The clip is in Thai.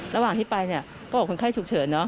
ระหว่างที่ไปก็บอกว่าคนไข้ฉุกเฉิน